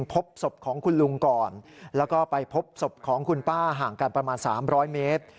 พบศพของคุณป้าห่างกันประมาณ๓๐๐เมตร